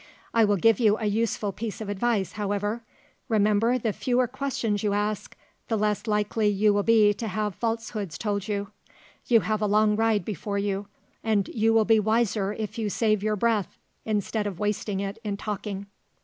I will give you a useful piece of advice, however: remember, the fewer questions you ask, the less likely you will be to have falsehoods told you. You have a long ride before you, and you will be wiser if you save your breath, instead of wasting it in talking."